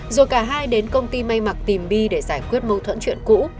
rồi cả hai đến công ty may mặc tìm đi để giải quyết mâu thuẫn chuyện cũ